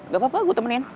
gapapa gue temenin